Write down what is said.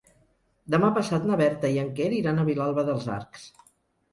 Demà passat na Berta i en Quer iran a Vilalba dels Arcs.